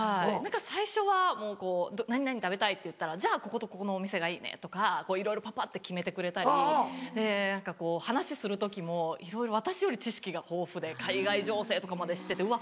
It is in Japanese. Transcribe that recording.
最初は「何々食べたい」って言ったら「じゃあこことここのお店がいいね」とかいろいろぱぱって決めてくれたり何かこう話する時もいろいろ私より知識が豊富で海外情勢とかまで知っててうわ